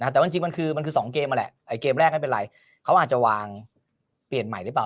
แต่ว่าจริงมันคือมันคือ๒เกมนั่นแหละเกมแรกไม่เป็นไรเขาอาจจะวางเปลี่ยนใหม่หรือเปล่า